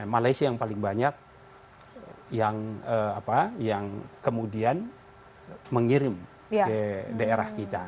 malaysia yang paling banyak yang kemudian mengirim ke daerah kita